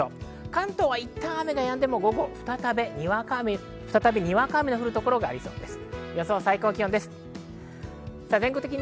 関東はいったん雨がやんでも、午後、再びにわか雨の降る所がありそうです。